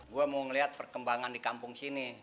gue mau ngeliat perkembangan di kampung sini